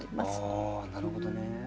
ああなるほどね。